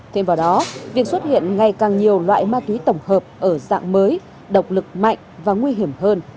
thêm vào đó việc xuất hiện ngày càng nhiều loại ma túy tổng hợp ở dạng mới độc lực mạnh và nguy hiểm hơn